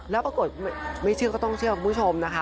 แล้วปรากฏไม่เชื่อก็ต้องเชื่อคุณผู้ชมนะคะ